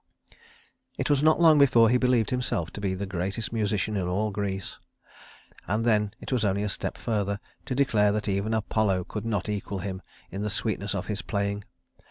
It was not long before he believed himself to be the greatest musician in all Greece; and then it was only a step further to declare that even Apollo could not equal him in the sweetness of his playing.